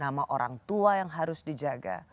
nama orang tua yang harus dijaga